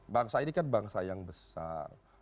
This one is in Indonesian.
bangsa ini kan bangsa yang besar